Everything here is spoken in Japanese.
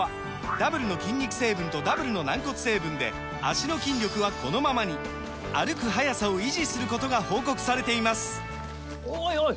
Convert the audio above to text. ダブルの筋肉成分とダブルの軟骨成分で脚の筋力はこのままに歩く速さを維持することが報告されていますおいおい！